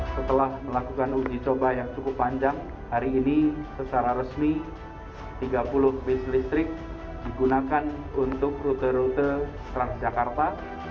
setelah melakukan uji coba yang cukup panjang hari ini secara resmi tiga puluh bis listrik digunakan untuk rute rute transjakarta